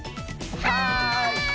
はい！